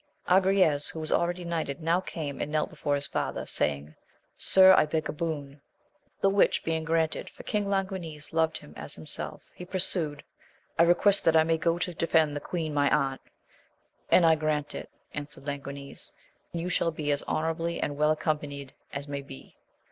Agrayes, who was already knighted, now came and knelt before his father, saying. Sir, I beg a boon. The which being granted, for King Languines loved him as himself, he pursued, — I request that I may go to defend the queen my aunt. And I grant it, answered Languines, and you shall be as honourably and well accompanied as may be.